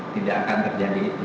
tidak akan terjadi itu